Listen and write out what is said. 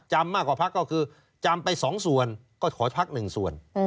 มากกว่าพักก็คือจำไป๒ส่วนก็ถอยพักหนึ่งส่วน